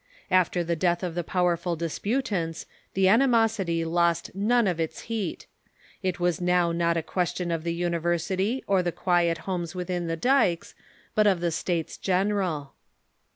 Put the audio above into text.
After the death of the powerful disputants the animosity lost none of its heat. It was now not a question of the university or the quiet homes within the dikes, but of the States General.